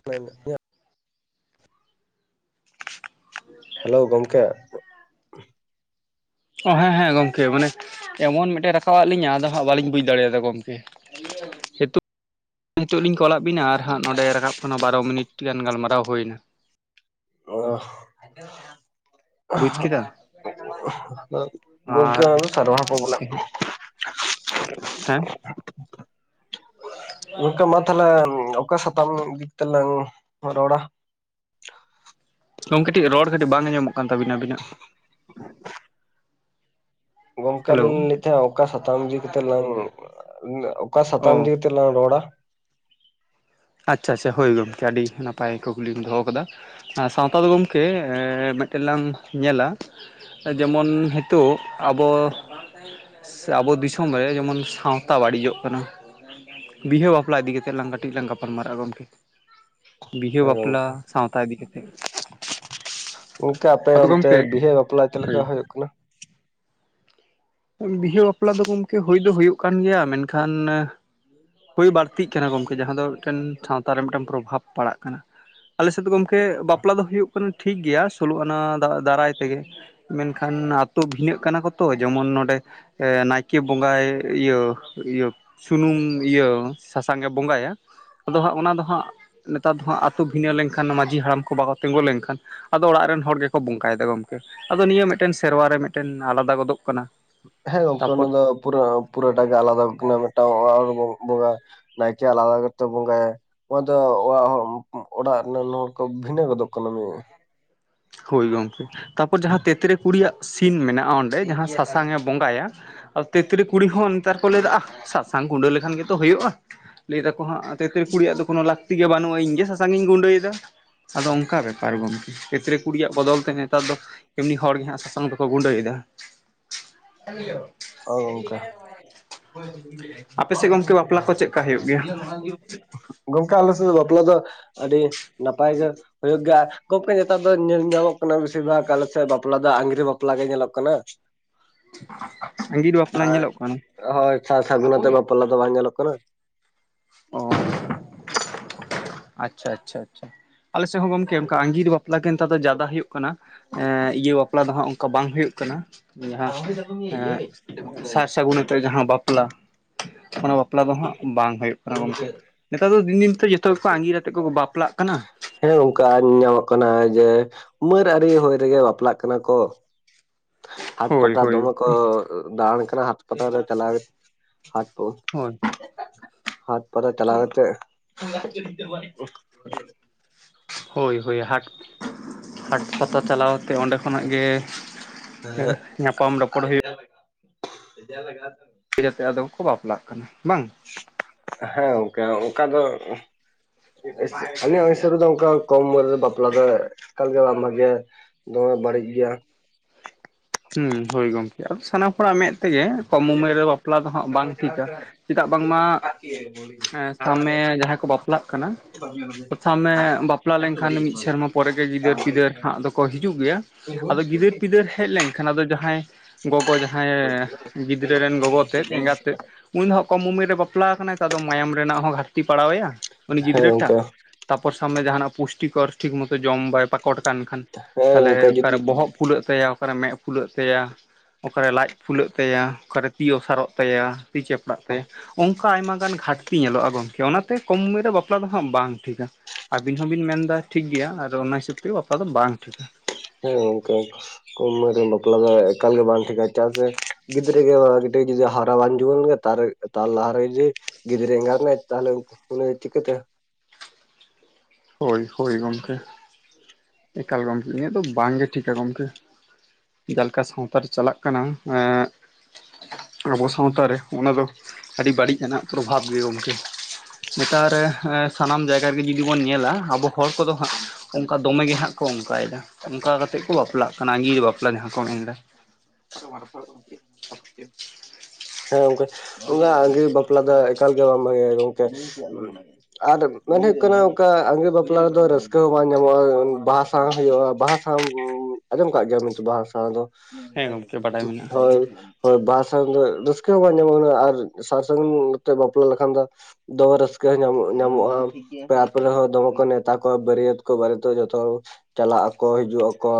[inaudible] Hello ᱜᱚᱢᱠᱮ ᱚ ᱦᱮᱸ ᱦᱮᱸ ᱜᱚᱝᱠᱮ ᱢᱟᱱᱮ ᱮᱢᱚᱱ ᱢᱤᱫᱴᱮᱱ ᱨᱟᱠᱟᱵᱟᱫ ᱞᱤᱧᱟ ᱟᱫᱚ ᱦᱟᱸᱜ ᱵᱟᱞᱤᱧ ᱵᱩᱡᱽ ᱫᱟᱲᱮᱭᱟᱫᱟ ᱜᱚᱢᱠᱮ ᱱᱤᱛᱳᱜ ᱱᱤᱛᱳᱜ ᱞᱤᱧ ᱠᱚᱞᱟᱫ ᱵᱤᱱᱟ ᱟᱨ ᱦᱟᱸᱜ ᱱᱚᱸᱰᱮ ᱨᱟᱠᱟᱵ ᱠᱟᱱᱟ ᱵᱟᱨᱚ ᱢᱤᱱᱤᱴ ᱟᱹᱰᱤ ᱜᱟᱱ ᱜᱟᱞᱢᱟᱨᱟᱣ ᱦᱩᱭ ᱮᱱᱟ [unintelligible] ᱵᱩᱡᱽ ᱠᱮᱫᱟ ᱟᱨ [unintelligible] ᱦᱮᱸ ᱜᱚᱢᱠᱮ ᱢᱟ ᱛᱟᱦᱚᱞᱮ ᱚᱠᱟ ᱥᱟᱛᱟᱢ ᱤᱫᱤ ᱛᱮᱞᱟᱝ ᱨᱚᱲᱟ ᱜᱚᱝ ᱠᱟᱹᱴᱤᱡ ᱨᱚᱲ ᱠᱟᱹᱴᱤᱡ ᱵᱟᱝ ᱟᱸᱡᱚᱢᱚᱜ ᱠᱟᱱ ᱛᱟᱹᱵᱤᱱᱟ ᱟᱵᱤᱱᱟᱜ [inaudible] ᱜᱚᱝᱠᱮ ᱦᱮᱞᱳ ᱟᱞᱤᱧ ᱞᱤᱧ ᱞᱟᱹᱭᱮᱫ ᱛᱟᱦᱮᱸᱱᱟ ᱚᱠᱟ ᱥᱟᱛᱟᱢ ᱤᱫᱤ ᱠᱟᱛᱮᱜ ᱞᱟᱝ ᱚᱠᱟ ᱚ ᱥᱟᱛᱟᱢ ᱤᱫᱤ ᱪᱮ ᱞᱟᱝ ᱨᱚᱲᱟ ᱟᱪᱪᱷᱟ ᱟᱪᱪᱷᱟ ᱦᱳᱭ ᱜᱚᱢᱠᱮ ᱟᱹᱰᱤ ᱱᱟᱯᱟᱭ ᱠᱩᱠᱞᱤᱢ ᱫᱚᱦᱚ ᱟᱠᱟᱫᱟ ᱥᱟᱶᱛᱟ ᱫᱚ ᱜᱚᱢᱠᱮ ᱢᱤᱫᱴᱮᱱ ᱞᱟᱝ ᱧᱮᱞᱟ ᱡᱮᱢᱚᱱ ᱦᱮᱛᱳᱜ ᱟᱵᱚ ᱥᱮ ᱟᱵᱚ ᱫᱤᱥᱚᱢ ᱨᱮ ᱡᱮᱢᱚᱱ ᱥᱟᱶᱛᱟ ᱵᱟᱹᱲᱤᱡᱚᱜ ᱠᱟᱱᱟ ᱵᱤᱦᱟᱹ ᱵᱟᱯᱞᱟ ᱤᱫᱤ ᱠᱟᱛᱮᱫ ᱞᱟᱝ ᱠᱟᱹᱴᱤᱡ ᱞᱟᱝ ᱜᱟᱯᱟᱞᱢᱟᱨᱟᱜᱼᱟ ᱜᱚᱢᱠᱮ ᱵᱤᱦᱟᱹ ᱦᱮᱸ ᱵᱟᱯᱞᱟ ᱜᱚᱝᱠᱮ ᱥᱟᱶᱛᱟ ᱤᱫᱤ ᱠᱟᱛᱮᱫ ᱜᱚᱝᱠᱮ ᱟᱯᱮ ᱚᱱᱛᱮ ᱵᱤᱦᱟᱹ ᱵᱟᱯᱞᱟ ᱪᱮᱫ ᱞᱮᱠᱟ ᱦᱩᱭᱩᱜ ᱠᱟᱱᱟ ᱵᱤᱦᱟᱹ ᱵᱟᱯᱞᱟ ᱫᱚ ᱜᱚᱝᱠᱮ ᱦᱩᱭ ᱫᱚ ᱦᱩᱭᱩᱜ ᱠᱟᱱ ᱜᱮᱭᱟ ᱢᱮᱱᱠᱷᱟᱱ ᱦᱩᱭ ᱵᱟᱹᱲᱛᱤᱜ ᱠᱟᱱᱟ ᱜᱚᱢᱠᱮ ᱡᱟᱦᱟᱸ ᱫᱚ ᱢᱤᱫᱴᱮᱱ ᱥᱟᱶᱛᱟ ᱨᱮ ᱢᱤᱫᱴᱮᱱ ᱯᱨᱚᱵᱷᱟᱵᱽ ᱯᱟᱲᱟᱜ ᱠᱟᱱᱟ ᱟᱞᱮ ᱥᱮᱫ ᱫᱚ ᱜᱚᱢᱠᱮ ᱵᱟᱯᱞᱟ ᱫᱚ ᱦᱩᱭᱩᱜ ᱠᱟᱱᱟ ᱴᱷᱤᱠ ᱜᱮᱭᱟ ᱥᱳᱞᱳ ᱟᱱᱟ ᱫᱟᱨᱟᱭ ᱛᱮᱜᱮ ᱢᱮᱱᱠᱷᱟᱱ ᱟᱛᱳ ᱵᱷᱤᱱᱟᱹᱜ ᱠᱟᱱᱟ ᱠᱚ ᱛᱚ ᱡᱮᱢᱚᱱ [unintelligible] ᱱᱟᱭᱠᱮ ᱵᱚᱸᱜᱟᱭ ᱤᱭᱟᱹ ᱤᱭᱟᱹ ᱥᱩᱱᱩᱢ ᱤᱭᱟᱹ ᱥᱟᱥᱟᱝ ᱮ ᱵᱚᱸᱜᱟᱭᱟ ᱟᱫᱚ ᱦᱟᱸᱜ ᱚᱱᱟ ᱫᱚ ᱦᱟᱸᱜ ᱱᱮᱛᱟᱨ ᱫᱚ ᱦᱟᱸᱜ ᱟᱛᱳ ᱵᱷᱤᱱᱟᱹ ᱞᱮᱱᱠᱷᱟᱱ ᱢᱟᱡᱷᱤ ᱦᱟᱲᱟᱢ ᱠᱚ ᱵᱟᱠᱚ ᱠᱚ ᱛᱮᱸᱜᱳ ᱞᱮᱱᱠᱷᱟᱱ ᱟᱫᱚ ᱚᱲᱟᱜ ᱨᱮᱱ ᱦᱚᱲ ᱜᱮᱠᱚ ᱵᱚᱸᱠᱟᱭᱮ‌ ᱫᱟ ᱜᱚᱢᱠᱮ ᱟᱫᱚ ᱱᱤᱭᱟᱹ ᱢᱤᱫᱴᱮᱱ ᱥᱮᱨᱣᱟᱨ ᱨᱮ ᱢᱤᱫᱴᱮᱱ ᱟᱞᱟᱫᱟ ᱜᱚᱫᱚᱜ ᱠᱟᱱᱟ ᱦᱮᱸ ᱜᱚᱝᱠᱮ ᱛᱟᱯᱚᱨ ᱚᱱᱟᱫᱚ ᱯᱩᱨᱟᱹ ᱯᱩᱨᱟᱹᱴᱟᱜ ᱜᱮ ᱟᱞᱟᱫᱟ ᱢᱤᱫᱴᱟᱝ ᱚᱲᱟᱜ ᱦᱚᱲ ᱵᱚᱸᱜᱟ ᱱᱟᱭᱠᱮ ᱟᱞᱟᱫᱟ ᱜᱮ ᱛᱚᱭ ᱵᱚᱜᱟᱭᱟ ᱚᱱᱟ ᱫᱚ ᱚᱲᱟᱜ ᱦᱚ ᱚᱲᱟᱜ ᱨᱮᱱᱟᱜ ᱱᱟᱣᱟ ᱠᱚ ᱵᱷᱤᱱᱟᱹ ᱜᱚᱫᱚᱜ ᱠᱟᱱᱟ ᱦᱳ ᱜᱚᱢᱠᱮ ᱛᱟᱨᱯᱚᱨ ᱡᱟᱦᱟᱸ ᱛᱮᱛᱨᱮ ᱠᱩᱲᱤᱭᱟᱜ ᱥᱤᱱ ᱢᱮᱱᱟᱜᱼᱟ ᱚᱸᱰᱮ ᱡᱟᱦᱟᱸ ᱥᱟᱥᱟᱝ ᱮ ᱵᱚᱸᱜᱟᱭᱟ ᱟᱨ ᱛᱮᱛᱨᱤ ᱠᱩᱲᱤ ᱦᱚᱸ ᱱᱮᱛᱟᱨ ᱠᱚ ᱞᱟᱹᱭᱫᱟ ᱟᱦ ᱥᱟᱥᱟᱝ ᱜᱩᱰᱟᱹ ᱞᱮᱠᱷᱟᱱ ᱜᱮᱛᱚ ᱦᱩᱭᱩᱜᱼᱟ ᱟᱦ ᱞᱟᱹᱭ ᱫᱟᱠᱚ ᱦᱟᱸᱜ ᱛᱮᱛᱨᱮ ᱠᱩᱲᱤᱭᱟᱜ ᱫᱚ ᱠᱳᱱᱳ ᱞᱟᱹᱠᱛᱤ ᱜᱮ ᱵᱟᱹᱱᱩᱜᱼᱟ ᱤᱧ ᱜᱮ‌ ᱥᱟᱥᱟᱝ ᱤᱧ ᱜᱩᱸᱰᱟᱹᱭ ᱮᱫᱟ ᱟᱫᱚ ᱚᱱᱠᱟ ᱵᱮᱯᱟᱨ ᱜᱚᱝᱠᱮ ᱛᱮᱛᱨᱮ ᱠᱩᱲᱤᱭᱟᱜ ᱵᱚᱫᱚᱞ ᱛᱮ ᱱᱮᱛᱟᱨ ᱫᱚ ᱮᱢᱱᱤ ᱦᱚᱲ ᱜᱮ ᱦᱟᱸᱜ ᱥᱟᱥᱟᱝ ᱫᱚᱠᱚ ᱜᱩᱸᱰᱟᱹᱭ ᱮᱫᱟ ᱦᱳᱭ ᱜᱚᱝᱠᱮ [unintelligible] ᱟᱯᱮ ᱥᱮᱫ ᱜᱚᱝᱠᱮ ᱵᱟᱯᱞᱟ ᱠᱚ ᱪᱮᱫ ᱞᱮᱠᱟ ᱦᱩᱭᱩᱜ ᱜᱮᱭᱟ ᱜᱚᱝᱠᱮ ᱟᱞᱮ ᱥᱮᱫ ᱫᱚ ᱵᱟᱯᱞᱟ ᱫᱚ ᱟᱹᱰᱤ ᱱᱟᱯᱟᱭ ᱜᱮ ᱦᱩᱭᱩᱜ ᱜᱮᱭᱟ ᱜᱚᱢᱠᱮ ᱱᱮᱛᱟᱨ ᱫᱚ ᱧᱮᱞ ᱧᱟᱢᱚᱜ ᱠᱟᱱᱟ ᱵᱮᱥᱤᱨ ᱵᱷᱟᱜᱽ ᱟᱞᱮ ᱥᱮᱫ ᱵᱟᱯᱞᱟ ᱫᱚ ᱟᱜᱤᱨ ᱵᱟᱯᱞᱟ ᱜᱮ ᱧᱮᱞᱚᱜ ᱠᱟᱱᱟ ᱟᱸᱜᱤᱨ ᱵᱟᱯᱞᱟ ᱟᱨ ᱧᱮᱞᱚᱜ ᱠᱟᱱᱟ ᱦᱳᱭ ᱥᱟᱨᱥᱟᱹᱜᱩᱱᱟᱛᱮ ᱵᱟᱯᱞᱟ ᱫᱚ ᱵᱟᱝ ᱧᱮᱞᱚᱜ ᱠᱟᱱᱟ ᱚ [unintelligible] ᱟᱪᱪᱷᱟ ᱟᱪᱪᱷᱟ ᱟᱪᱪᱷᱟ ᱟᱞᱮ ᱥᱮᱫ ᱦᱚᱸ ᱜᱚᱝᱠᱮ ᱚᱱᱠᱟ ᱟᱸᱜᱤᱨ ᱵᱟᱯᱞᱟ ᱜᱮ ᱱᱮᱛᱟᱨ ᱫᱚ ᱡᱟᱫᱟ ᱦᱳᱭᱳᱜ ᱠᱟᱱᱟ ᱤᱭᱟᱹ ᱵᱟᱯᱞᱟ ᱫᱚ ᱦᱟᱸᱜ ᱚᱱᱠᱟ ᱵᱟᱝ ᱦᱳᱭᱳᱜ ᱠᱟᱱᱟ [unintelligible] ᱮᱸ [unintelligible] ᱥᱟᱨ ᱥᱟᱹᱜᱩᱱ ᱟᱛᱮ ᱡᱟᱦᱟᱸ ᱵᱟᱯᱞᱟ ᱚᱱᱟ ᱵᱟᱯᱞᱟ ᱫᱚ ᱦᱟᱸᱜ ᱵᱟᱝ ᱦᱩᱭᱩᱜ ᱠᱟᱱᱟ ᱜᱚᱝᱠᱮ ᱱᱮᱛᱟᱨ ᱫᱚ ᱫᱤᱱ ᱫᱤᱱ ᱛᱮ ᱡᱚᱛᱚ ᱟᱺᱜᱤᱨ ᱟᱛᱮᱫ ᱠᱚ ᱵᱟᱯᱞᱟᱜ ᱠᱟᱱᱟ ᱦᱮᱸ ᱜᱚᱝᱠᱮ ᱟᱨ ᱧᱮᱧᱟᱢᱚᱜ ᱠᱟᱱᱟ ᱡᱮ ᱩᱢᱟᱹᱨ ᱟᱹᱨᱤ ᱦᱩᱭ ᱨᱮᱜᱮ ᱵᱟᱯᱞᱟᱜ ᱠᱟᱱᱟ ᱠᱚ ᱦᱟᱴ ᱦᱳᱭ ᱯᱟᱛᱟ ᱦᱳᱭ ᱫᱚᱢᱮ ᱠᱚ ᱫᱟᱬᱟᱱ ᱠᱟᱱᱟ ᱦᱟᱴ ᱯᱟᱛᱟ ᱨᱮ ᱪᱟᱞᱟᱣ ᱦᱳᱭ [unintelligible] ᱦᱟᱴ ᱯᱟᱛᱟ ᱪᱟᱞᱟᱣ ᱠᱟᱛᱮ ᱦᱳᱭ ᱦᱳᱭ ᱦᱟᱴ ᱦᱟᱴ ᱯᱟᱛᱟ ᱪᱟᱞᱟᱣ ᱠᱟᱛᱮ ᱚᱸᱰᱮ ᱠᱷᱚᱱᱟᱜ ᱜᱮ ᱧᱟᱯᱟᱢ ᱨᱚᱯᱚᱲ ᱦᱩᱭᱩᱜ [unintelligible] [unintelligible] ᱟᱫᱚ ᱠᱚ ᱵᱟᱯᱞᱟᱜ ᱠᱟᱱᱟ ᱵᱟᱝ ᱦᱮᱸ ᱜᱟᱝᱠᱮ ᱚᱱᱠᱟ ᱫᱚ ᱟᱹᱞᱤᱧᱟᱜ ᱦᱤᱥᱟᱹᱵ‌ ᱨᱮ ᱫᱚ ᱚᱱᱠᱟ ᱠᱚᱢ ᱩᱢᱮᱨ ᱨᱮ ᱵᱟᱯᱞᱟ ᱫᱚ ᱮᱠᱟᱞ ᱜᱮ ᱵᱟᱝ ᱵᱷᱟᱜᱮᱭᱟ ᱫᱚᱢᱮ ᱵᱟᱹᱲᱤᱡ ᱜᱮᱭᱟ ᱦᱩᱸ ᱦᱳᱭ ᱜᱚᱝᱠᱮ ᱟᱫᱚ ᱥᱟᱱᱟᱢ ᱦᱚᱲᱟᱜ ᱢᱮᱫ ᱛᱮᱜᱮ ᱠᱚᱢ ᱩᱢᱮᱨ ᱨᱮ ᱵᱟᱯᱞᱟ ᱫᱚ ᱦᱟᱸᱜ ᱵᱟᱝ ᱴᱷᱤᱠᱟ ᱪᱮᱫᱟᱜ ᱵᱟᱝᱢᱟ ᱥᱟᱢ ᱢᱮ ᱡᱟᱦᱟᱸᱭ ᱠᱚ ᱵᱟᱯᱞᱟᱜ ᱠᱟᱱᱟ [inaudible] ᱥᱟᱵᱢᱮ ᱵᱟᱯᱞᱟ ᱞᱮᱱᱠᱷᱟᱱ ᱢᱤᱫ ᱥᱮᱨᱢᱟ ᱯᱚᱨᱮ ᱜᱮ ᱜᱤᱫᱟᱹᱨ ᱯᱤᱫᱟᱹᱨ ᱦᱟᱸᱜ ᱫᱚᱠᱚ ᱦᱤᱡᱩᱜ ᱜᱮᱭᱟ ᱟᱫᱚ ᱜᱤᱫᱟᱹᱨ ᱯᱤᱫᱟᱹᱨ ᱦᱮᱡ ᱞᱮᱱᱠᱷᱟᱱ ᱮᱱᱠᱷᱟᱱ ᱟᱫᱚ ᱡᱟᱦᱟᱸᱭ ᱜᱚᱜᱚ ᱡᱟᱦᱟᱸᱭ ᱜᱤᱫᱽᱨᱟᱹ ᱨᱮᱱ ᱜᱚᱜᱚ ᱛᱮᱫ ᱮᱸᱜᱟᱛ ᱛᱮᱫ ᱩᱱᱤᱫᱚ ᱦᱟᱜ ᱠᱚᱢ ᱩᱢᱮᱨ ᱨᱮ ᱵᱟᱯᱞᱟ ᱠᱟᱱᱟᱭ ᱛᱚ ᱟᱫᱚ ᱢᱟᱭᱟᱢ ᱨᱮᱱᱟᱜ ᱦᱚᱸ ᱜᱷᱟᱴᱛᱤ ᱯᱟᱲᱟᱣ ᱟᱭᱟ ᱩᱱᱤ ᱦᱮᱸ ᱜᱤᱫᱽᱨᱟᱹ ᱴᱷᱟᱜ ᱜᱚᱝᱠᱮ ᱛᱟᱯᱚᱨ ᱥᱟᱢᱱᱮ ᱡᱟᱦᱟᱱᱟᱜ ᱯᱩᱥᱴᱤᱠᱚ ᱴᱷᱤᱠ ᱢᱚᱛᱚ ᱡᱚᱢ ᱵᱟᱭ ᱯᱟᱠᱚᱴ ᱠᱟᱱ ᱠᱷᱟᱱ ᱦᱮᱸ ᱛᱟᱦᱚᱞᱮ ᱜᱚᱝᱠᱮ ᱡᱩᱫᱤ ᱚᱠᱟᱨᱮ ᱵᱚᱦᱚᱜ ᱯᱷᱩᱞᱟᱹᱜ ᱛᱟᱭᱟ ᱚᱠᱟᱨᱮ ᱢᱮᱫ ᱯᱷᱩᱞᱟᱹᱜ ᱛᱟᱭᱟ ᱚᱠᱟᱨᱮ ᱞᱟᱡ ᱯᱷᱩᱞᱟᱹᱜ ᱛᱟᱭᱟ ᱚᱠᱟᱨᱮ ᱛᱤ ᱚᱥᱟᱨᱚᱜ ᱛᱟᱭᱟ ᱛᱤ ᱪᱮᱯᱲᱟᱜ ᱛᱟᱭᱟ ᱩᱝ ᱚᱱᱠᱟ ᱟᱭᱢᱟ ᱜᱟᱱ ᱜᱷᱟᱴᱛᱤ ᱧᱮᱞᱚᱜᱼᱟ ᱜᱚᱝᱠᱮ ᱚᱱᱟᱛᱮ ᱠᱚᱢ ᱩᱢᱮᱨ ᱨᱮ ᱵᱟᱯᱞᱟ ᱫᱚ ᱦᱟᱸᱜ ᱵᱟᱝ ᱴᱷᱤᱠᱼᱟ ᱟᱵᱤᱱ ᱦᱚᱸᱵᱤᱱ ᱢᱮᱱᱫᱟ ᱴᱷᱤᱠ ᱜᱮᱭᱟ ᱟᱨ ᱚᱱᱟ ᱦᱤᱥᱟᱹᱵᱽ ᱛᱮ ᱵᱟᱯᱞᱟ ᱫᱚ ᱵᱟᱝ ᱴᱷᱤᱠᱟ ᱦᱮᱸ ᱠᱚᱝᱠᱮ ᱠᱚᱢ ᱩᱢᱮᱨ ᱨᱮ ᱵᱟᱯᱞᱟ ᱫᱚ ᱮᱠᱟᱞ ᱜᱮ ᱵᱟᱝ ᱴᱷᱤᱠᱟ᱾ᱪᱮᱫᱟᱜ ᱥᱮ ᱜᱤᱫᱽᱨᱟᱹ ᱜᱮ ᱜᱤᱫᱽᱨᱟᱹ ᱡᱩᱫᱤ ᱦᱟᱨᱟ ᱵᱟᱝ ᱡᱩᱣᱟᱹᱱ ᱜᱮ ᱛᱟᱨ ᱛᱟᱨ ᱞᱟᱦᱟᱨᱮ ᱡᱚᱫᱤ ᱜᱤᱫᱽᱨᱟᱹ ᱮᱜᱟᱛ ᱱᱟᱭ ᱛᱟᱦᱚᱞᱮ ᱩᱱᱤ ᱪᱤᱠᱟᱹᱛᱮ ᱦᱳᱭ ᱦᱳᱭ ᱜᱚᱢᱠᱮ ᱮᱠᱟᱞ ᱜᱚᱢᱠᱮ ᱤᱧᱟᱹᱜ ᱫᱚ ᱵᱟᱝᱜᱮ ᱴᱷᱤᱠ ᱠᱟ ᱜᱚᱢᱠᱮ᱾ ᱡᱟᱦᱟᱸ ᱞᱮᱠᱟ ᱥᱟᱶᱛᱟ ᱨᱮ ᱪᱟᱞᱟᱜ ᱠᱟᱱᱟ ᱮᱸᱜ ᱟᱵᱚ ᱥᱟᱶᱛᱟ ᱨᱮ ᱚᱱᱟ ᱫᱚ ᱟᱹᱰᱤ ᱵᱟᱹᱲᱤᱡ ᱟᱱᱟᱜ ᱯᱨᱚᱵᱷᱟᱵᱽ ᱜᱮ ᱜᱚᱢᱠᱮ ᱱᱮᱛᱟᱨ ᱨᱮ ᱥᱟᱱᱟᱢ ᱡᱟᱭᱜᱟ ᱨᱮᱜᱮ ᱡᱩᱫᱤ ᱵᱚᱱ ᱧᱮᱞᱟ ᱟᱵᱚ ᱦᱚᱲ ᱠᱚᱫᱚ ᱦᱟᱸᱜ ᱚᱱᱠᱟ ᱫᱚᱢᱮ ᱜᱮ ᱦᱟᱸᱜ ᱠᱚ ᱚᱱᱠᱟᱭᱮᱫᱟ ᱚᱱᱠᱟ ᱠᱟᱛᱮᱜ ᱠᱚ ᱵᱟᱯᱞᱟᱜ ᱠᱟᱱᱟ᱾ ᱟᱹᱜᱤᱨ ᱵᱟᱯᱞᱟ ᱡᱟᱦᱟᱸ ᱠᱚ ᱢᱮᱱᱫᱟ᱾ [unintelligible] ᱦᱮᱸ ᱜᱚᱢᱠᱮ ᱚᱱᱟ ᱟᱸᱜᱤᱨ ᱵᱟᱯᱞᱟ ᱫᱚ ᱮᱠᱟᱞ ᱜᱮ ᱵᱟᱝ ᱵᱷᱟᱜᱮᱭᱟ ᱜᱚᱝᱠᱮ ᱟᱨ ᱢᱮᱱ ᱦᱩᱭᱩᱜ ᱠᱟᱱᱟ ᱚᱱᱠᱟ ᱟᱺᱜᱤᱨ ᱵᱟᱯᱞᱟ ᱨᱮᱫᱚ ᱨᱟᱹᱥᱠᱟᱹ ᱦᱚᱸ ᱵᱟᱝ ᱧᱟᱢᱚᱜ-ᱟ, ᱵᱟᱦᱟ ᱥᱟᱶᱦᱟᱜ-ᱟ ᱵᱟᱦᱟ ᱟᱸᱡᱚᱢ ᱟᱠᱟᱟᱜ ᱜᱮᱭᱟ ᱵᱟᱦᱟ ᱥᱟᱶ ᱫᱚ ᱦᱮᱸ ᱜᱚᱢᱠᱮ ᱵᱟᱰᱟᱭ ᱢᱮᱱᱟᱜᱼᱟ ᱦᱳᱭ ᱦᱳᱭ ᱵᱟᱦᱟ ᱥᱟᱶ [inaudible] ᱨᱟᱹᱥᱠᱟᱹ ᱦᱚᱸ ᱵᱟᱝ ᱧᱟᱢᱚᱜ ᱠᱟᱱᱟ ᱟᱨ ᱥᱟᱨ ᱥᱟᱹᱜᱩᱱ ᱛᱮ ᱵᱟᱯᱞᱟ ᱞᱮᱠᱷᱟᱱ ᱫᱚ ᱫᱚᱢᱮ ᱨᱟᱹᱥᱠᱟᱹ ᱧᱟᱢᱚᱜ ᱧᱟᱢᱚᱜ-ᱟ᱾ ᱛᱟᱨᱯᱚᱨᱮ ᱦᱚᱸ ᱫᱚᱢᱮ ᱠᱚ ᱱᱮᱣᱛᱟ ᱠᱚᱣᱟ ᱵᱟᱹᱨᱤᱭᱟᱛ ᱠᱚ ᱵᱟᱨᱮᱛ ᱡᱚᱛᱚ ᱦᱚᱲ ᱪᱟᱞᱟᱜ ᱟᱠᱚ ᱦᱤᱡᱩᱜ ᱟᱠᱚ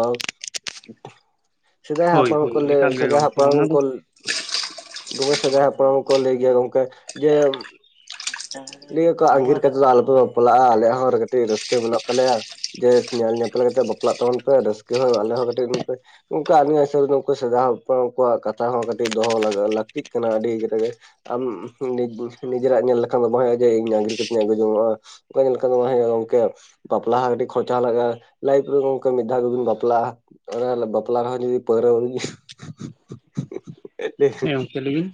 ᱥᱮᱫᱟᱭ ᱦᱳᱭ ᱦᱟᱯᱲᱟᱢ ᱦᱳᱭ ᱠᱚ ᱮᱠᱟᱞ ᱞᱟᱹᱭ ᱜᱮ ᱥᱮᱫᱟᱭ ᱜᱚᱝᱠᱮ᱾ ᱚᱱᱟ ᱦᱟᱯᱲᱟᱢ ᱫᱚ ᱠᱚ [unintelligible] ᱦᱟᱯᱲᱟᱢ ᱦᱚᱸᱠᱚ ᱞᱟᱹᱭ ᱜᱮᱭᱟ ᱜᱚᱢᱠᱮ ᱡᱮ ᱞᱟᱹᱭᱟ ᱠᱚ ᱟᱸᱜᱤᱨ ᱠᱟᱛᱮᱫ ᱫᱚ ᱟᱞᱚᱯᱮ ᱵᱟᱯᱞᱟᱜ-ᱟ᱾ ᱟᱞᱮᱭᱟᱜ ᱦᱚᱸ ᱠᱟᱹᱴᱤᱡ ᱨᱟᱹᱥᱠᱟᱹ ᱢᱮᱱᱟᱜ ᱛᱟᱞᱮᱭᱟ᱾ ᱡᱮ ᱧᱮᱞ ᱧᱮᱯᱮᱞ ᱠᱟᱛᱮ ᱵᱟᱯᱞᱟᱜ ᱛᱟᱵᱚᱱ ᱯᱮ ᱨᱟᱹᱥᱠᱟᱹ ᱦᱚᱸ ᱟᱞᱮ ᱦᱚᱸ ᱠᱟᱹᱴᱤᱡ ᱚᱝᱠᱟ ᱟᱹᱞᱤᱧᱟᱜ ᱦᱤᱥᱟᱹᱵᱽ ᱱᱩᱠᱩ ᱥᱮᱫᱟᱭ ᱦᱟᱯᱲᱟᱢ ᱠᱚᱣᱟᱜ ᱠᱟᱛᱷᱟ ᱦᱚᱸ ᱠᱟᱹᱴᱤᱡ ᱫᱚᱦᱚ ᱞᱟᱹᱠᱛᱤᱜ ᱠᱟᱱᱟ ᱟᱹᱰᱤ ᱨᱮᱜᱮ ᱟᱢ ᱱᱤᱡᱮ ᱱᱤᱡᱮᱨᱟᱜ ᱧᱮᱞ ᱞᱮᱠᱷᱟᱱ ᱫᱚ ᱵᱟᱝ ᱦᱩᱭᱩᱜ-ᱟ, ᱡᱮ ᱤᱧ ᱟᱸᱜᱤᱨ ᱠᱟᱛᱮ ᱤᱧ ᱟᱹᱜᱩ ᱡᱚᱝᱜ-ᱟ᱾ ᱚᱝᱠᱟ ᱧᱮᱞ ᱞᱮᱠᱷᱟᱱ ᱵᱟᱝ ᱦᱩᱭᱩᱜ-ᱟ ᱜᱚᱝᱠᱮ ᱵᱟᱯᱞᱟ ᱦᱚᱸ ᱟᱹᱰᱤ ᱠᱷᱚᱨᱪᱟ ᱞᱟᱜᱟᱼᱟ᱾ ᱞᱟᱭᱤᱯᱷ ᱨᱮ ᱜᱚᱝᱠᱮ ᱢᱤᱫ ᱫᱷᱟᱣ ᱜᱮᱵᱩᱱ ᱵᱟᱯᱞᱟᱜ-ᱟ᱾ ᱚᱱᱟ ᱵᱟᱯᱞᱟ ᱞᱟᱦᱟ ᱡᱩᱫᱤ ᱯᱟᱹᱣᱨᱟᱹ ᱵᱩᱱ ᱧᱩᱭᱟ [inaudible] ᱦᱮᱸ ᱜᱚᱢᱠᱮ ᱞᱟᱹᱭᱵᱤᱱ᱾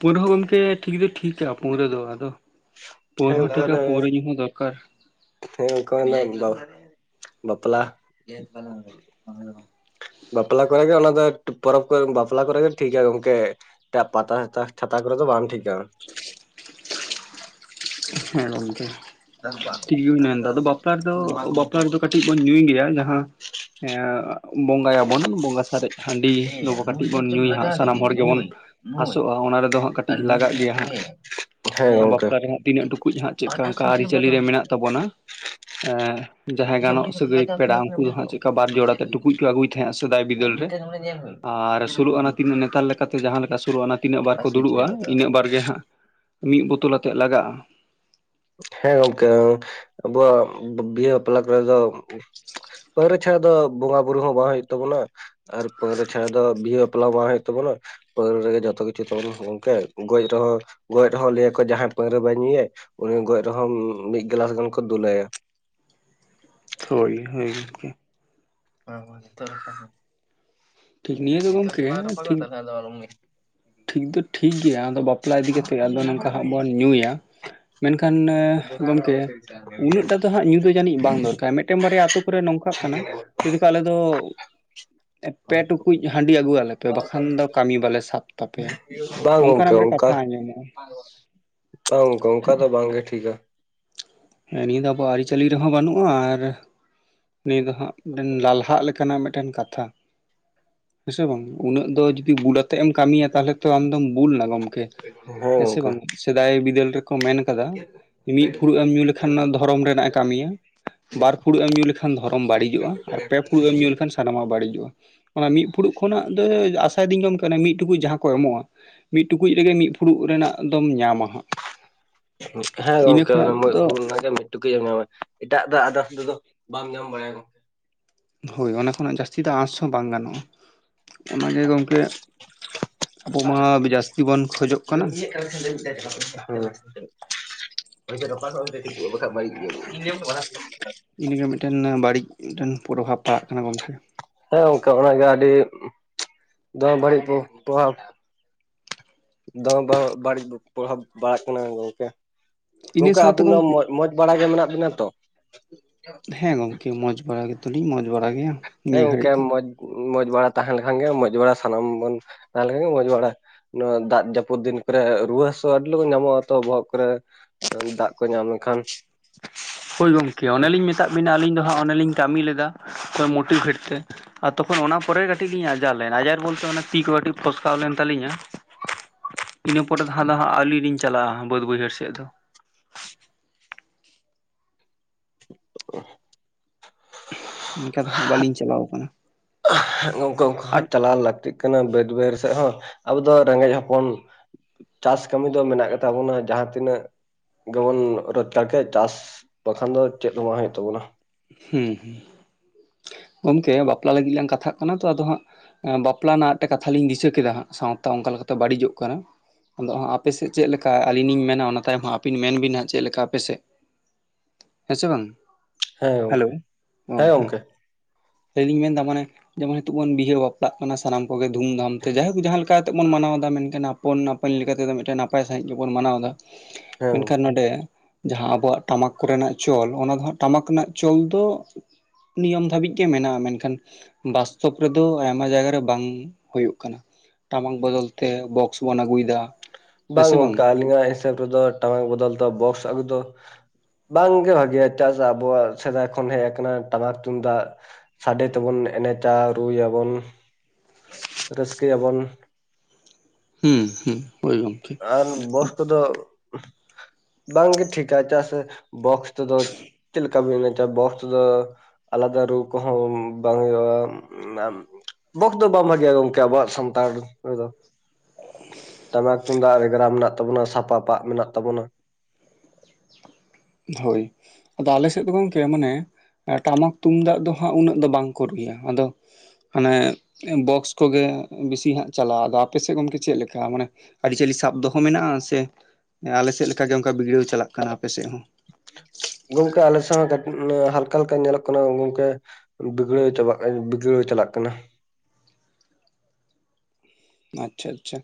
ᱯᱟᱹᱣᱨᱟᱹ ᱦᱚᱸ ᱜᱚᱢᱠᱮ ᱴᱷᱤᱠ ᱫᱚ ᱴᱷᱤᱠᱟ ᱯᱟᱹᱣᱨᱟᱹ ᱫᱚ ᱟᱫᱚ ᱦᱮᱸ ᱯᱟᱹᱣᱨᱟᱹ ᱴᱷᱤᱠᱟ᱾ ᱯᱟᱹᱣᱨᱟᱹ ᱧᱩ ᱦᱚᱸ ᱫᱚᱨᱠᱟᱨ ᱦᱮᱸ [unintelligible] ᱵᱟᱯᱞᱟ ᱵᱟᱯᱞᱟ ᱠᱚᱨᱮ ᱜᱮ ᱚᱱᱟ ᱫᱚ ᱯᱚᱨᱚᱵᱽ ᱠᱚᱨᱮ ᱵᱟᱯᱞᱟ ᱠᱚᱨᱮ ᱜᱮ ᱴᱷᱤᱠᱟ ᱜᱚᱝᱠᱮ᱾ ᱮᱴᱟᱜ ᱯᱟᱛᱟ ᱪᱷᱟᱛᱟ ᱠᱚᱨᱮ ᱫᱚ ᱵᱟᱝ ᱴᱷᱤᱠᱟ᱾ ᱦᱮᱸ ᱜᱚᱝᱠᱮ ᱴᱷᱤᱠ ᱜᱮ ᱵᱚᱱ ᱢᱮᱱᱫᱟ᱾ ᱟᱫᱚ ᱵᱟᱯᱞᱟ ᱨᱮᱫᱚ ᱵᱟᱯᱞᱟ ᱨᱮᱫᱚ ᱠᱟᱹᱴᱤᱡ ᱵᱚᱱ ᱧᱩᱭ ᱜᱮᱭᱟ᱾ ᱡᱟᱦᱟᱸ ᱦᱮᱸ ᱵᱚᱸᱜᱟᱭ ᱟᱵᱚᱱ ᱵᱚᱸᱜᱟ ᱥᱟᱨᱮᱡ ᱦᱟᱺᱰᱤ, ᱫᱚ ᱠᱟᱹᱴᱤᱡ ᱵᱚᱱ ᱧᱩᱭᱟ ᱦᱟᱸᱜ ᱥᱟᱱᱟᱢ ᱦᱚᱲ ᱜᱮᱵᱚᱱ ᱟᱥᱚᱜ-ᱟ᱾ ᱚᱱᱟ ᱨᱮᱫᱚ ᱦᱟᱸᱜ ᱠᱟᱹᱴᱤᱡ ᱞᱟᱜᱟᱜ ᱜᱮᱭᱟ ᱦᱟᱸᱜ ᱦᱮᱸ ᱜᱚᱝᱠᱮ ᱵᱟᱯᱞᱟ ᱨᱮ ᱦᱟᱸᱜ ᱛᱤᱱᱟᱹᱜ ᱴᱩᱠᱩᱡ ᱦᱟᱸᱜ ᱪᱮᱫ ᱠᱟ ᱚᱱᱠᱟ ᱟᱹᱨᱤᱪᱟᱹᱞᱤ ᱨᱮ ᱢᱮᱱᱟᱜ ᱛᱟᱵᱚᱱᱟ᱾ ᱮᱻ ᱡᱟᱦᱟᱸᱭ ᱜᱟᱱᱚᱜ ᱥᱟᱹᱜᱟᱹᱭ ᱯᱮᱲᱟ ᱩᱱᱠᱩ ᱫᱚ ᱦᱟᱸᱜ ᱪᱮᱫᱠᱟ ᱵᱟᱨ ᱡᱚᱲᱟ ᱛᱮ ᱴᱩᱠᱩᱡ ᱠᱚ ᱟᱹᱜᱩᱭ ᱛᱟᱦᱮᱸᱜᱼᱟ, ᱥᱮᱫᱟᱭ ᱵᱤᱫᱟᱹᱞ ᱨᱮ ᱟᱨ ᱥᱩᱨᱩᱜ-ᱟᱱᱟ ᱛᱤᱱᱟᱹᱜ ᱱᱮᱛᱟᱨ ᱞᱮᱠᱟ ᱠᱟᱛᱮ ᱡᱟᱦᱟᱸ ᱞᱮᱠᱟ ᱥᱩᱨᱩᱜ-ᱟ ᱚᱱᱟ ᱛᱤᱱᱟᱹᱜ ᱵᱟᱨ ᱠᱚ ᱫᱩᱲᱩᱵ-ᱟ ᱤᱱᱟᱹᱜ ᱵᱟᱨ ᱜᱮ ᱦᱟᱸᱜ ᱢᱤᱫ ᱵᱳᱛᱚᱞ ᱟᱛᱮ ᱞᱟᱜᱟᱜ-ᱟ᱾ ᱦᱮᱸ ᱜᱚᱝᱠᱮ ᱟᱵᱚᱣᱟᱜ ᱵᱤᱦᱟᱹ ᱵᱟᱯᱞᱟ ᱠᱚ ᱨᱮᱫᱚ ᱪᱷᱟᱲᱟ ᱫᱚ ᱵᱚᱸᱜᱟ ᱵᱩᱨᱩ ᱦᱚᱸ ᱵᱟᱝ ᱦᱳᱭᱳᱜ ᱛᱟᱵᱩᱱᱟ ᱟᱨ ᱯᱟᱹᱣᱨᱟ ᱪᱷᱟᱲᱟ ᱫᱚ ᱵᱤᱦᱟᱹ ᱵᱟᱯᱞᱟ ᱵᱟᱝ ᱦᱳᱭᱳᱜ ᱛᱟᱵᱚᱱᱟ᱾ ᱯᱟᱹᱣᱨᱟ ᱨᱮᱜᱮ ᱡᱚᱛᱚ ᱠᱤᱪᱷᱩ ᱛᱟᱵᱚᱱ ᱜᱚᱝᱠᱮ ᱜᱚᱡ ᱨᱮᱦᱚᱸ ᱜᱚᱡ ᱨᱮᱦᱚᱸ ᱞᱟᱹᱭᱟᱠᱚ ᱡᱟᱦᱟᱸᱭ ᱯᱟᱹᱣᱨᱟᱹ ᱵᱟᱭ ᱧᱩᱭᱟᱭ, ᱩᱱᱤ ᱜᱚᱡ ᱨᱮᱦᱚᱸ ᱢᱤᱫ ᱜᱞᱟᱥ ᱜᱟᱱ ᱠᱚ ᱫᱩᱞᱟᱭᱟ ᱦᱳᱭ ᱦᱳᱭ ᱜᱚᱢᱠᱮ᱾ ᱵᱟᱝ ᱵᱟᱝ [unintelligible] ᱴᱷᱤᱠ ᱱᱤᱭᱟᱹ ᱫᱚ ᱜᱚᱝᱠᱮ ᱦᱮᱸ ᱴᱷᱤᱠ [unintelligible] ᱴᱷᱤᱠ ᱫᱚ ᱴᱷᱤᱠ ᱜᱮᱭᱟ ᱟᱫᱚ ᱵᱟᱯᱞᱟ ᱤᱫᱤ ᱠᱟᱛᱮᱜ ᱟᱫᱚ ᱱᱚᱝᱠᱟ ᱦᱟᱸᱜ ᱵᱚᱱ ᱧᱩᱭᱟ ᱢᱮᱱᱠᱷᱟᱱ ᱜᱚᱢᱠᱮ ᱩᱱᱟᱹᱜ ᱴᱟ ᱫᱚ ᱧᱩ ᱫᱚ ᱡᱟᱹᱱᱤᱡ ᱵᱟᱝ ᱫᱚᱨᱠᱟᱨ ᱢᱤᱫᱴᱮᱱ ᱵᱟᱨᱭᱟ ᱟᱛᱳ ᱠᱚᱨᱮ ᱱᱚᱝᱠᱟᱜ ᱠᱟᱱᱟ [unintelligible] ᱟᱞᱮ ᱫᱚ ᱯᱮ ᱴᱩᱠᱩᱡ ᱦᱟᱺᱰᱤ ᱟᱹᱜᱩᱣᱟᱞᱮᱯᱮ ᱵᱟᱠᱷᱟᱱ ᱫᱚ ᱠᱟᱹᱢᱤ ᱵᱟᱞᱮ ᱥᱟᱵ ᱛᱟᱯᱮᱭᱟ [unintelligible] ᱵᱟᱝ ᱚᱱᱠᱟᱱᱟᱜ ᱜᱚᱝᱠᱮ ᱢᱤᱫᱴᱮᱱ ᱚᱱᱠᱟ ᱠᱟᱛᱷᱟ ᱟᱸᱡᱚᱢᱚᱜᱼᱟ ᱵᱟᱝ ᱜᱚᱝᱠᱮ ᱚᱱᱠᱟ ᱫᱚ ᱵᱟᱝ ᱜᱮ ᱴᱷᱤᱠᱟ ᱦᱮᱸ ᱱᱤᱭᱟᱹ ᱫᱚ ᱟᱵᱚᱣᱟᱜ ᱟᱹᱨᱤᱪᱟᱹᱞᱤ ᱨᱮᱦᱚᱸ ᱵᱟᱹᱱᱩᱜ-ᱟ ᱟᱨ ᱱᱤᱭᱟᱹ ᱫᱚ ᱦᱟᱸᱜ ᱵᱤᱱ ᱞᱟᱞᱦᱟᱜ ᱞᱮᱠᱟᱱᱟᱜ ᱢᱤᱫᱴᱮᱱ ᱠᱟᱛᱷᱟ ᱦᱮᱸᱥᱮ ᱵᱟᱝ ᱩᱱᱟᱹᱜ ᱫᱚ ᱡᱩᱫᱤ ᱵᱩᱞ ᱟᱛᱮᱜ ᱮᱢ ᱠᱟᱹᱢᱤᱭᱟ ᱛᱟᱦᱚᱞᱮ ᱛᱚ ᱟᱢᱫᱚᱢ ᱵᱩᱞ ᱮᱱᱟ ᱜᱚᱢᱠᱮ ᱦᱮᱸ ᱥᱮ ᱦᱚᱸᱜᱚᱝᱠᱮ ᱵᱟᱝ ᱥᱮᱫᱟᱭ ᱵᱤᱫᱟᱹᱞ ᱨᱮᱠᱚ ᱢᱮᱱ ᱠᱟᱫᱟ ᱢᱤᱫ ᱯᱷᱩᱲᱩᱜ ᱜᱟᱱ ᱧᱩ ᱞᱮᱠᱷᱟᱱ ᱫᱷᱚᱨᱚᱢ ᱨᱮᱱᱟᱱᱜ ᱮ ᱠᱟᱹᱢᱤᱭᱟ ᱵᱟᱨ ᱯᱷᱩᱲᱩᱜ ᱮᱢ ᱧᱩ ᱞᱮᱠᱷᱟᱱ ᱫᱷᱚᱨᱚᱢ ᱵᱟᱹᱲᱤᱡᱚᱜ-ᱟ ᱟᱨ ᱯᱮ ᱯᱷᱩᱲᱩᱜ ᱮᱢ ᱧᱩᱠ ᱞᱮᱠᱷᱟᱱ ᱥᱟᱱᱟᱢᱟᱜ ᱵᱟᱹᱲᱤᱡᱚᱜ-ᱟ ᱚᱱᱟ ᱢᱤᱫ ᱯᱷᱩᱲᱩᱜ ᱠᱷᱚᱱᱟᱜ ᱫᱚ ᱟᱥᱟ ᱫᱤᱧ ᱜᱮ ᱠᱚᱱᱠᱱᱜ ᱢᱤᱫ ᱴᱩᱠᱩᱡ ᱡᱟᱦᱟᱸ ᱠᱚ ᱮᱢᱚᱜ-ᱟ ᱢᱤᱫ ᱴᱩᱠᱩᱡ ᱨᱮᱜᱮ ᱢᱤᱫ ᱯᱷᱩᱲᱩᱜ ᱨᱮᱱᱟᱜ ᱫᱚᱢ ᱧᱟᱢᱟ ᱦᱟᱸᱜ ᱦᱮᱸ ᱤᱱᱟᱹ ᱜᱚᱝᱠᱮ ᱠᱷᱚᱱᱟᱜ ᱫᱚ ᱢᱤᱫᱵᱩᱨ ᱚᱱᱟᱜᱮ ᱢᱤᱫ ᱴᱩᱠᱩᱡ ᱮᱢ ᱧᱟᱢᱟ ᱮᱴᱟᱜ ᱫᱟᱜ ᱟᱫᱟᱨᱥ ᱫᱚ ᱵᱟᱢ ᱧᱟᱢ ᱵᱟᱲᱟᱭᱟ ᱦᱳᱭ ᱚᱱᱟ ᱠᱷᱚᱱᱟᱜ ᱡᱟᱹᱥᱛᱤ ᱫᱚ ᱟᱸᱥ ᱦᱚᱸ ᱵᱟᱝ ᱜᱟᱱᱚᱜ-ᱟ ᱚᱱᱟᱜᱮ ᱜᱚᱢᱠᱮ ᱟᱵᱚ ᱢᱟ ᱡᱟᱹᱥᱛᱤ ᱵᱚᱱ ᱠᱷᱚᱡᱚᱜ ᱠᱟᱱᱟ [unintelligible] ᱵᱟᱠᱚ [unintelligible] [unintelligible] ᱵᱟᱠᱷᱟᱡ ᱵᱟᱲᱤᱡ ᱜᱮ ᱦᱩᱭᱩᱜ [unintelligible] ᱧᱩᱧᱩ ᱫᱚ ᱤᱱᱟᱜᱮ ᱢᱤᱫᱴᱮᱱ ᱵᱟᱹᱲᱤᱡ ᱢᱤᱫᱴᱮᱱ ᱯᱨᱚᱵᱷᱟᱵᱽ ᱯᱟᱲᱟᱜ ᱠᱟᱱᱟ ᱜᱚᱝᱠᱮ ᱦᱮᱸ ᱜᱚᱝᱠᱮ ᱚᱱᱟᱜᱮ ᱟᱹᱰᱤ ᱫᱚᱢ ᱵᱟᱹᱲᱤᱡ ᱵᱚ ᱯᱨᱚᱵᱷᱟᱵᱽ ᱫᱚ [unintelligible] ᱵᱟᱹᱲᱤᱡ ᱯᱨᱚᱵᱷᱟᱯ ᱵᱟᱲᱟᱜ ᱠᱟᱱᱟ ᱜᱚᱝᱠᱮ ᱤᱱᱟᱹ ᱜᱚᱝᱠᱮ ᱥᱟᱶᱛᱮ ᱟᱹᱵᱤᱱ ᱫᱚ ᱜᱚᱢᱠᱮ ᱢᱚᱡᱽ ᱢᱚᱡᱽ ᱵᱟᱲᱟ ᱜᱮ ᱢᱮᱱᱟᱜ ᱵᱤᱱᱟ ᱛᱚ [unintelligible] ᱢᱚᱡᱽ ᱵᱟᱲᱟ ᱜᱮᱛᱚᱞᱤᱧ ᱢᱚᱸᱡᱽ ᱵᱟᱲᱟ ᱜᱮᱭᱟ ᱦᱮᱸ ᱱᱤᱭᱟᱹ ᱜᱚᱝᱠᱮ ᱜᱷᱟᱹᱲᱤᱡ ᱫᱚ ᱢᱚᱡᱽ ᱢᱚᱸᱡᱽ ᱵᱟᱲᱟ ᱛᱟᱦᱮᱸᱞᱠᱷᱟᱱ ᱜᱮ ᱢᱚᱸᱡᱽ ᱵᱟᱲᱟ ᱥᱟᱱᱟᱢ ᱵᱚᱱ ᱛᱟᱦᱮᱸᱞᱠᱷᱟᱱ ᱜᱮ ᱢᱚᱸᱡᱽ ᱵᱟᱲᱟ ᱱᱚᱣᱟ ᱫᱟᱜ ᱡᱟᱹᱯᱩᱫ ᱫᱤᱱ ᱠᱚᱨᱮ ᱨᱩᱣᱟᱹ ᱦᱟᱹᱥᱩ ᱟᱹᱰᱤ ᱞᱚᱠᱚᱱ ᱧᱟᱢᱚᱜ-ᱟ ᱛᱚ ᱵᱚᱦᱚᱜ ᱠᱚᱨᱮ ᱫᱟᱜ ᱠᱚ ᱧᱟᱢ ᱞᱮᱠᱷᱟᱱ ᱦᱳᱭ ᱜᱚᱢᱠᱮ ᱚᱱᱮᱞᱤᱧ ᱢᱮᱛᱟᱫ ᱵᱤᱱᱟ ᱟᱹᱞᱤᱧ ᱫᱚ ᱦᱟᱸᱜ ᱚᱱᱮᱞᱤᱧ ᱠᱟᱹᱢᱤ ᱞᱮᱫᱟ ᱦᱚᱭ ᱢᱚᱴᱤᱵᱷᱮᱴ ᱛᱮ ᱟᱨ ᱛᱚᱠᱷᱚᱱ ᱚᱱᱟ ᱯᱚᱨᱮ ᱠᱟᱹᱴᱤᱡ ᱞᱤᱧ ᱟᱡᱟᱨ ᱞᱮᱱᱟ ᱟᱡᱟᱨ ᱵᱚᱞᱛᱮ ᱚᱱᱟ ᱛᱤ ᱠᱚ ᱠᱟᱹᱴᱤᱡ ᱯᱷᱚᱥᱠᱟᱣ ᱞᱮᱱ ᱛᱟᱞᱤᱧᱟ ᱤᱱᱟᱹ ᱯᱚᱨᱮ ᱫᱚ ᱦᱟᱸ ᱫᱚ ᱦᱟᱸᱜ ᱟᱹᱞᱤᱧ ᱞᱤᱧ ᱪᱟᱞᱟᱜ-ᱟ ᱵᱟᱹᱫ ᱵᱟᱹᱭᱦᱟᱹᱲ ᱥᱮᱫ ᱫᱚ [inaudible] ᱮᱱᱠᱟ ᱨᱮᱦᱚᱸ ᱵᱟᱹᱞᱤᱧ ᱪᱟᱞᱟᱣ ᱠᱟᱱᱟ ᱦᱮ ᱜᱚᱝᱠᱮ ᱚᱝᱠᱟ ᱦᱚᱸ ᱪᱟᱞᱟᱣ ᱞᱟᱹᱠᱛᱤᱜ ᱠᱟᱱᱟ ᱵᱟᱹᱫ ᱵᱟᱹᱭᱦᱟᱲ ᱥᱮᱫ ᱦᱚᱸ ᱟᱵᱚ ᱫᱚ ᱨᱮᱸᱜᱮᱡ ᱦᱚᱯᱚᱱ ᱪᱟᱥ ᱠᱟᱹᱢᱤ ᱫᱚ ᱢᱮᱱᱟᱜ ᱜᱮ ᱛᱟᱵᱚᱱᱟ ᱡᱟᱦᱟᱸ ᱛᱤᱱᱟᱹᱜ ᱜᱮᱵᱚᱱ ᱨᱳᱡᱽᱜᱟᱨ ᱠᱮᱫ ᱪᱟᱥ ᱵᱟᱠᱷᱟᱱ ᱫᱚ ᱪᱮᱫ ᱦᱚᱸ ᱵᱟᱝ ᱦᱩᱭᱩᱜ ᱛᱟᱵᱚᱱᱟ ᱦᱩᱸ ᱜᱚᱝᱠᱮ ᱵᱟᱯᱞᱟ ᱞᱟᱹᱜᱤᱫ ᱞᱟᱝ ᱠᱟᱛᱷᱟᱜ ᱠᱟᱱᱟ ᱛᱚ ᱟᱫᱚ ᱦᱟᱸᱜ ᱵᱟᱯᱞᱟ ᱨᱮᱱᱟᱜ ᱟᱨ ᱢᱤᱫᱴᱟᱝ ᱠᱟᱛᱷᱟ ᱞᱤᱧ ᱫᱤᱥᱟᱹ ᱠᱮᱫᱟ ᱥᱟᱶᱛᱟ ᱚᱱᱠᱟ ᱞᱮᱠᱟᱛᱮ ᱵᱟᱹᱲᱤᱡᱚᱜ ᱠᱟᱱᱟ ᱟᱫᱚ ᱦᱟᱸᱜ ᱟᱯᱮᱥᱮᱫ ᱪᱮᱫ ᱞᱮᱠᱟ ᱟᱹᱞᱤᱧ ᱞᱤᱧ ᱢᱮᱱᱟ ᱚᱱᱟ ᱛᱟᱭᱚᱢ ᱦᱚᱸ ᱟᱹᱵᱤᱱ ᱢᱮᱱ ᱵᱤᱱ ᱦᱟᱸᱜ ᱪᱮᱫ ᱞᱮᱠᱟ ᱟᱯᱮᱥᱮᱫ ᱦᱮᱸᱥᱮ ᱵᱟᱝ ᱦᱮᱸ ᱦᱮᱞᱳ ᱜᱚᱝᱠᱮ ᱚ ᱦᱮᱸ ᱦᱚᱸ ᱜᱚᱝᱠᱮ ᱦᱚᱸᱟᱹᱞᱤᱧ ᱢᱮᱱᱫᱟ ᱢᱟᱱᱮ ᱡᱮᱢᱚᱱ ᱛᱮ ᱵᱚᱱ ᱵᱤᱭᱟᱣᱟᱹ ᱵᱟᱯᱞᱟᱜ ᱠᱟᱱᱟ ᱥᱟᱱᱟᱢ ᱠᱚᱜᱮ ᱫᱷᱩᱢᱫᱷᱟᱢ ᱛᱮ ᱡᱟᱦᱟᱭ ᱠᱚ ᱡᱟᱦᱟᱸ ᱞᱮᱠᱟ ᱛᱮ ᱵᱚᱱ ᱢᱟᱱᱟᱶ ᱫᱟ ᱢᱮᱱᱠᱷᱟᱱᱟᱼᱼ ᱯᱚᱱ ᱱᱟᱯᱤᱱ ᱞᱮᱠᱟ ᱛᱮᱫᱚ ᱢᱤᱫᱴᱮᱱ ᱱᱟᱯᱟᱭ ᱥᱟᱺᱦᱤᱡ ᱜᱮᱵᱚᱱ ᱢᱟᱱᱟᱣ ᱫᱟ᱾ ᱦᱮᱸ ᱢᱮᱱ ᱠᱷᱟᱱ ᱜᱚᱝᱠᱮ ᱱᱦᱸᱰᱮ ᱡᱟᱦᱟᱸ ᱟᱵᱚᱣᱟᱜ ᱴᱟᱢᱟᱠ ᱠᱚᱨᱮ ᱱᱟᱜ ᱪᱚᱞ ᱚᱱᱟ ᱫᱚ ᱦᱟᱸᱜ ᱴᱟᱢᱟᱠ ᱨᱮᱱᱟᱜᱼᱼ ᱪᱚᱞ ᱫᱚ ᱱᱤᱭᱚᱢ ᱫᱷᱟᱵᱤᱡ ᱜᱮ ᱢᱮᱱᱟᱜ-ᱟ ᱢᱮᱱᱠᱷᱟᱱᱼᱼ ᱵᱟᱥᱛᱚᱵᱽ ᱨᱮᱫᱚ ᱟᱭᱢᱟ ᱡᱟᱭᱜᱟ ᱨᱮ ᱵᱟᱝ ᱦᱚᱭᱩᱜ ᱠᱟᱱᱟ᱾ ᱴᱟᱢᱟᱠ ᱵᱚᱫᱚᱞ ᱛᱮ ᱵᱚᱠᱥ ᱵᱚᱱ ᱟᱹᱜᱩᱭ ᱫᱟ᱾ ᱵᱟᱝ ᱜᱚᱝᱠᱮ ᱟᱞᱤᱧᱟᱜ ᱦᱤᱥᱟᱹᱵᱽ ᱨᱮᱫᱚ ᱴᱟᱢᱟᱠ ᱵᱚᱫᱚᱞ ᱫᱚ ᱵᱚᱠᱥ ᱟᱜᱩ ᱫᱚᱼᱼ ᱵᱟᱝ ᱜᱮ ᱵᱷᱟᱜᱮᱭᱟ ᱪᱮᱫᱟᱜ ᱥᱮ ᱟᱵᱚᱣᱟᱜ ᱥᱮᱫᱟᱭ ᱠᱷᱚᱱ ᱦᱮᱡ ᱟᱠᱟᱱᱟ ᱴᱟᱢᱟᱠ ᱛᱩᱢᱫᱟᱜ᱾ ᱥᱟᱰᱮ ᱛᱮᱵᱚᱱ ᱮᱱᱮᱡᱟ ᱨᱩᱭᱟᱵᱚᱱ ᱨᱟᱹᱥᱠᱟᱹ ᱟᱵᱚᱱ᱾ ᱦᱮᱸ ᱦᱮᱸ᱾ ᱟᱨ ᱵᱚᱭᱮᱥ ᱠᱚᱫᱚ [unintelligible] ᱼᱼ ᱵᱟᱝ ᱜᱮ ᱴᱷᱤᱠᱟ ᱪᱟᱜ ᱥᱮ ᱵᱚᱠᱥ ᱛᱮᱫᱚ ᱪᱮᱜ ᱞᱮᱠᱟᱢ‌ ᱮᱱᱮᱡᱟ ᱵᱚᱠᱥᱼᱼ ᱟᱫᱚ ᱟᱞᱟᱫᱟ ᱨᱩ ᱠᱚᱦᱚ ᱵᱟᱝ ᱦᱩᱭᱩᱜ-ᱟ [unintelligible] ᱵᱚᱠᱥ ᱫᱚ ᱵᱟᱝ ᱵᱷᱟᱜᱮᱭᱟ ᱜᱚᱝᱠᱮ ᱟᱵᱚᱣᱟᱜ ᱥᱟᱱᱛᱟᱲ ᱨᱮᱫᱚ᱾ ᱴᱟᱢᱟᱠ ᱛᱩᱢᱫᱟᱜ ᱨᱮᱜᱽᱲᱟ ᱢᱮᱱᱟᱜ ᱛᱟᱵᱚᱱᱟ ᱥᱟᱯᱟᱵᱼᱼ ᱥᱟᱯᱟᱵ ᱢᱮᱱᱟᱜ ᱛᱟᱵᱚᱱᱟ᱾ ᱦᱳᱭ᱾ ᱟᱫᱚ ᱟᱞᱮ ᱥᱮᱫ ᱫᱚ ᱜᱚᱝᱠᱮ ᱢᱟᱱᱮ ᱮᱸ ᱴᱟᱢᱟᱠ ᱛᱩᱢᱫᱟᱜ ᱫᱚ ᱦᱟᱸᱜ ᱩᱱᱟᱹᱜ ᱫᱚ ᱵᱟᱝ ᱠᱚ ᱨᱩᱭᱟ ᱟᱫᱚᱼᱼ ᱢᱟᱱᱮ ᱵᱚᱠᱥ ᱠᱚᱜᱮ ᱵᱤᱥᱤ ᱦᱟᱸᱜ ᱪᱟᱞᱟᱜ-ᱟ ᱟᱫᱚ ᱟᱯᱮ ᱥᱮᱜ ᱜᱚᱜᱠᱮ ᱪᱮᱫ ᱞᱮᱠᱟ ᱢᱟᱱᱮᱼᱼ ᱟᱹᱨᱤᱼᱪᱟᱹᱞᱤ ᱥᱟᱵ ᱫᱚᱦᱚ ᱢᱮᱱᱟᱜ-ᱟ ᱥᱮ ᱮᱸ ᱟᱞᱮ ᱥᱮᱫ ᱞᱮᱠᱟ ᱜᱮ ᱚᱱᱠᱟ ᱵᱤᱜᱽᱲᱟᱹᱣ ᱪᱟᱞᱟᱜ ᱠᱟᱱᱟ ᱟᱯᱮ ᱥᱮᱜ ᱦᱚᱸ? ᱜᱚᱝᱠᱮ ᱟᱞᱮ ᱥᱮᱫ ᱦᱚᱸ ᱠᱟᱴᱤᱡ ᱢᱟᱱᱮ ᱦᱟᱞᱼᱼ ᱠ‌ᱟ ᱦᱟᱞᱠ‌ᱟ ᱧᱮᱞᱚᱜ ᱠᱟᱱᱟ ᱜᱚᱝᱠᱮ ᱵᱤᱜᱽᱲᱟᱹᱣ ᱪᱟᱵᱟᱜ ᱠᱟᱱᱟ ᱵᱤᱜᱽᱲᱟᱹᱣ ᱪᱟᱞᱟᱜ ᱠᱟᱱᱟ᱾ ᱟᱪᱪᱷᱟ ᱟᱪᱪᱷᱟ᱾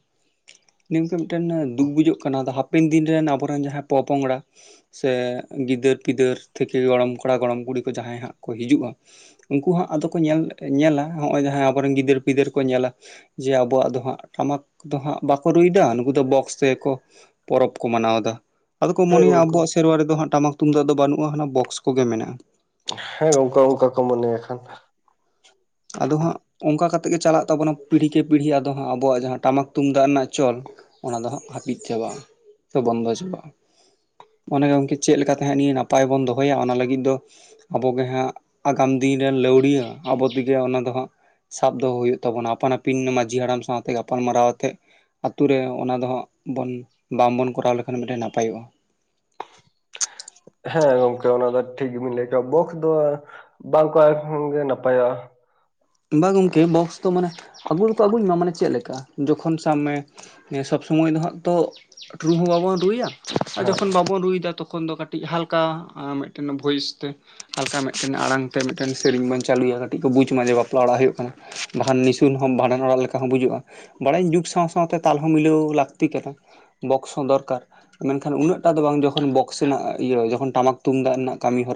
ᱱᱤᱭᱟᱹ ᱜᱚᱝᱠᱮ ᱢᱤᱫᱴᱮᱱ ᱫᱩᱠ ᱵᱩᱡᱷᱟᱹᱜ ᱠᱟᱱᱟ ᱟᱫᱚ ᱦᱟᱯᱼᱼ ᱯᱮᱱ ᱫᱤᱱ ᱨᱮᱱ ᱟᱵᱚᱨᱮᱱ ᱡᱟᱦᱟᱸᱭ ᱯᱚᱼᱯᱚᱝᱜᱽᱲᱟᱼᱼ ᱥᱮ ᱜᱤᱫᱟᱹᱨ ᱯᱤᱫᱟᱹᱨ ᱛᱷᱮᱠᱮ ᱜᱚᱲᱚᱢ ᱠᱚᱲᱟ ᱜᱚᱲᱚᱢ ᱠᱩᱲᱤ ᱠᱚ ᱡᱟᱦᱟᱸᱭ ᱦᱟᱸᱜ ᱠᱚ ᱦᱤᱡᱩᱜ-ᱟ᱾ ᱩᱱᱠᱩ ᱦᱟᱸᱜ ᱟᱫᱚ ᱠᱚ ᱧᱮᱞ ᱧᱮᱞᱟ ᱱᱚᱜᱚ-ᱚᱸᱭ ᱡᱟᱦᱟᱸ ᱟᱵᱚᱨᱮᱱ ᱜᱤᱫᱟᱹᱨ ᱯᱤᱫᱟᱹᱨ ᱠᱚ ᱧᱮᱞᱟ ᱡᱮ ᱼᱼ ᱟᱵᱚᱣᱟᱜ ᱫᱚ ᱦᱟᱸᱜ ᱴᱟᱢᱟᱠ ᱫᱚ ᱦᱟᱸᱜ ᱵᱟᱠᱚ ᱨᱩᱭ ᱮᱫᱟ ᱱᱩᱠᱩ ᱫᱚ ᱵᱚᱠᱥ ᱛᱮᱜᱮ ᱠᱚᱼᱼ ᱯᱚᱨᱚᱵᱽ ᱠᱚ ᱢᱟᱱᱟᱣ ᱮᱫᱟ᱾ ᱟᱫᱚ ᱠᱚ ᱦᱮᱸ ᱢᱚᱱᱮᱭᱟ ᱜᱚᱝᱠᱮ ᱟᱵᱚᱣᱟᱜ ᱥᱮᱨᱣᱟ ᱨᱮᱫᱚ ᱦᱟᱸᱜ ᱴᱟᱢᱟᱠ ᱛᱩᱢᱫᱟᱜ ᱫᱚ ᱵᱟᱱᱩᱜ-ᱟ ᱦᱟᱱᱟ ᱵᱚᱠᱥ ᱠᱚᱜᱮ ᱢᱮᱱᱟᱜ-ᱟ᱾ ᱦᱮᱸ ᱜᱚᱝᱠᱮ ᱚᱱᱠᱟ ᱠᱚ ᱢᱚᱱᱮᱭᱟ ᱠᱷᱟᱱᱼᱼ ᱟᱫᱚ ᱦᱟᱸᱜ ᱚᱱᱠᱟ ᱠᱟᱛᱮᱫ ᱜᱮ ᱪᱟᱞᱟᱜ ᱛᱟᱵᱚᱱᱟ ᱯᱤᱲᱦᱤ ᱠᱮ ᱯᱤᱲᱦᱤ ᱟᱫᱚ ᱦᱟᱸᱜ ᱟᱵᱚᱣᱟᱜ ᱡᱟᱦᱟᱸ ᱴᱟᱢᱟᱠ ᱛᱩᱢᱫᱟᱜ ᱨᱮᱱᱟᱜ ᱪᱚᱞᱼᱼ ᱚᱱᱟ ᱫᱚ ᱦᱟᱸᱜ ᱦᱟᱯᱤᱫ ᱪᱟᱵᱟᱜ-ᱟ ᱥᱮ ᱵᱚᱱᱫᱚ ᱪᱟᱵᱟᱜ-ᱟ᱾ ᱚᱱᱮ ᱜᱚᱝᱠᱮ ᱪᱮᱫ ᱞᱮᱠᱟ ᱛᱮ ᱦᱟᱸᱜ ᱱᱤᱭᱟᱹ ᱱᱟᱯᱟᱭ ᱵᱚᱱ ᱫᱚᱦᱚᱭᱟ ᱚᱱᱟ ᱞᱟᱜᱤᱫ ᱫᱚᱼᱼ ᱟᱵᱚᱱᱜᱮ ᱦᱟᱸᱜ ᱟᱜᱟᱢ ᱫᱤᱱ ᱨᱮᱱ ᱞᱟᱹᱣᱲᱤᱭᱟᱹ ᱟᱵᱚᱼᱼ ᱛᱮ ᱜᱮ ᱚᱱᱟ ᱫᱚ ᱦᱟᱸᱜ ᱥᱟᱵ ᱫᱚᱦᱚ ᱦᱩᱭᱩᱜ ᱛᱟᱵᱚᱱᱟ ᱟᱯᱟᱱ ᱟᱹᱯᱤᱱ ᱢᱟᱸᱡᱷᱤ ᱦᱟᱲᱟᱢ ᱥᱟᱶᱛᱮ ᱜᱟᱯᱟᱞ ᱢᱟᱨᱟᱣ ᱟᱛᱮᱜᱼᱼ ᱟᱛᱩ ᱨᱮ ᱚᱱᱟ ᱫᱚ ᱦᱟᱸᱜ ᱵᱚᱱ ᱵᱟᱝᱵᱚᱱ ᱠᱚᱨᱟᱣ ᱞᱮᱠᱷᱟᱱ ᱢᱤᱫᱴᱮᱱ ᱱᱟᱯᱟᱭᱚᱜ-ᱟ᱾ ᱦᱮᱸ ᱜᱚᱝᱠᱮ ᱚᱱᱟ ᱫᱚ ᱴᱷᱤᱠ ᱜᱮᱵᱤᱱ ᱞᱟᱹᱭ ᱟᱠᱟᱫ-ᱟ᱾ ᱵᱚᱠᱥ ᱫᱚ ᱵᱟᱝ ᱠᱚ ᱮᱢ ᱨᱮᱦᱚᱸ ᱱᱟᱯᱟᱭᱟ᱾ ᱵᱟᱝ ᱜᱚᱝᱠᱮ ᱵᱚᱠᱥ ᱫᱚ ᱢᱟᱱᱮ ᱟᱜᱩ ᱫᱚᱠᱚ ᱟᱜᱩᱭ ᱢᱟ ᱢᱟᱱᱮ ᱪᱮᱫ ᱞᱮᱠᱟ ᱡᱚᱠᱷᱚᱱ ᱥᱟᱵᱽ ᱢᱮᱼᱼ ᱦᱮᱸ ᱥᱚᱵᱽ ᱥᱚᱢᱚᱭ ᱫᱚ ᱦᱟᱸᱜ ᱛᱚ ᱨᱩ ᱦᱚᱸ ᱵᱟᱵᱚᱱ ᱨᱩᱭᱟ ᱟᱨ ᱦᱮᱸ ᱡᱚᱠᱷᱚᱱ ᱵᱟᱵᱚᱱ ᱨᱩᱭ ᱮᱫᱟ ᱛᱚᱠᱷᱚᱱ ᱫᱚ ᱠᱟᱹᱴᱤᱡᱼᱼ ᱦᱟᱞᱠᱟ ᱢᱤᱫᱴᱮᱱ ᱵᱷᱚᱭᱤᱥ ᱛᱮᱼᱼ ᱦᱟᱞᱠᱟ ᱢᱤᱫᱴᱮᱱ ᱟᱬᱟᱝ ᱛᱮ ᱢᱤᱫᱴᱮᱱ ᱥᱤᱨᱤᱧ ᱵᱩᱱ ᱪᱟᱞᱩᱭᱟ ᱠᱟᱹᱴᱤᱡ ᱠᱚ ᱵᱩᱪ ᱢᱟ ᱡᱮ ᱵᱟᱯᱼᱼ ᱞᱟ‌ ᱚᱲᱟᱜ ᱦᱩᱭᱩᱜ ᱠᱟᱱᱟ᱾ ᱵᱟᱠᱷᱟᱱ ᱱᱤᱥᱩᱱ ᱦᱚᱸ ᱵᱷᱟᱸᱰᱟᱱ ᱚᱲᱟᱜ ᱞᱮᱠᱟ ᱦᱚᱸ ᱵᱩᱡᱩᱜ-ᱟ᱾ ᱵᱟᱲᱟᱭᱟᱹᱧ ᱡᱩᱜᱽ ᱥᱟᱶ ᱥᱟᱶᱛᱮ ᱛᱟᱞ ᱦᱚᱸ ᱢᱤᱞᱟᱹᱣ ᱞᱟᱠᱛᱤ ᱠᱟᱱᱟ ᱵᱚᱠᱥ ᱦᱚᱸ ᱫᱚᱨᱠᱟᱨᱼᱼ ᱢᱮᱱᱠᱷᱟᱱ ᱩᱱᱟᱹᱜ ᱴᱟᱜ ᱫᱚ ᱵᱟᱝ ᱡᱚᱠᱷᱚᱱ ᱵᱚᱠᱥ ᱨᱮᱱᱟᱜ ᱤᱭᱟᱹ ᱡᱚᱠᱷᱚᱱ ᱴᱟᱢᱟᱠ ᱛᱩᱢᱫᱟᱜ ᱨᱮᱱᱟᱜ ᱠᱟᱢᱤ ᱦᱚᱨᱟᱼᱼ